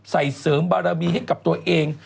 ใส่เสริมบรรยาบีให้กับตัวเอง